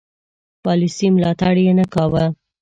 پالیسي ملاتړ یې نه کاوه.